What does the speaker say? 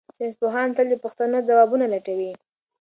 ساینس پوهان تل د پوښتنو ځوابونه لټوي.